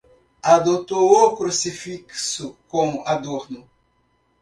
Adotou o crucifixo como adorno